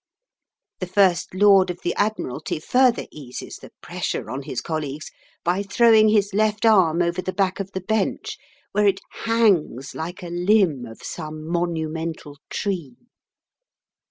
The First Lord of the Admiralty further eases the pressure on his colleagues by throwing his left arm over the back of the bench, where it hangs like a limb of some monumental tree.